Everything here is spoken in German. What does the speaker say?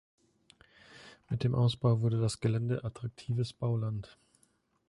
Mit dem Ausbau wurde das Gelände attraktives Bauland.